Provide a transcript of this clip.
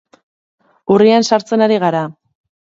Urrian sartzen ari gara.